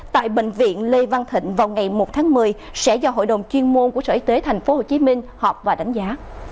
tại bệnh viện lê văn thịnh vào ngày một tháng một mươi sẽ do hội đồng chuyên môn của sở y tế tp hcm họp và đánh giá